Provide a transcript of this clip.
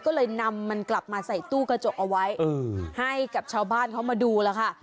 ก็เลยนำมันกลับมาใส่ตู้กระจกเอาไว้ให้กับชาวบ้านเขามาดูแล้วค่ะ